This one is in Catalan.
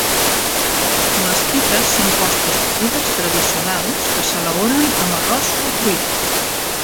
Les pithas són postres bullides tradicionals que s'elaboren amb arròs o fruites.